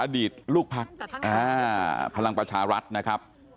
อดีตลูกพักพลังประชารัฐนะครับ